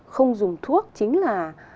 không dùng thuốc chính là